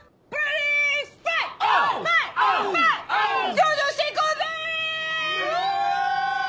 上場していこうぜ！